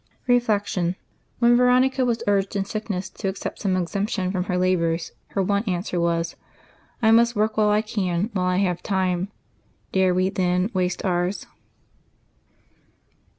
Reflection. — When Veronica was urged in sickness to accept some exemption from her labors, her one answer was, " I must work while I can, while I have time." Dare we, then, waste ours?